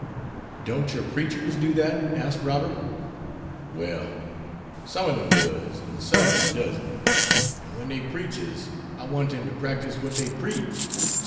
"Don't your preachers do that?" asked Robert. "Well, some ob dem does, an' some ob dem doesn't. An' wen dey preaches, I want dem to practice wat dey preach.